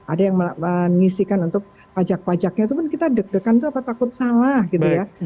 ada yang menyisikan untuk pajak pajaknya itu pun kita deg degan itu apa takut salah gitu ya